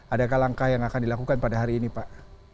adakah langkah yang akan dilakukan pada hari ini pak